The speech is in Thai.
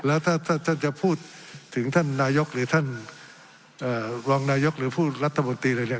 แล้วถ้าท่านจะพูดถึงท่านนายกหรือท่านรองนายกหรือพูดรัฐมนตรีอะไรเนี่ย